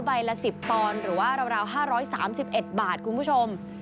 ละ๑๐ตอนหรือว่าราว๕๓๑บาทคุณผู้ชม